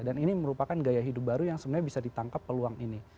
dan ini merupakan gaya hidup baru yang sebenarnya bisa ditangkap peluang ini